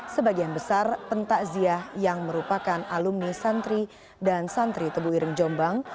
sebagian besar pentakziah yang merupakan alumni santri dan santri tebu ireng jombang